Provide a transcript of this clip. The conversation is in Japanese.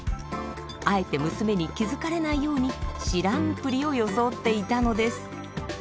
あえて娘に気付かれないように知らんぷりを装っていたのです。